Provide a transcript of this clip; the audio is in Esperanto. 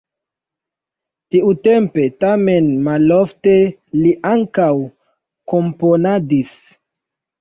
Tiutempe, tamen malofte li ankaŭ komponadis.